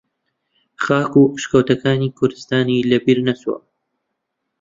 خاک و ئەشکەوتەکانی کوردستانی لە بیر نەچووە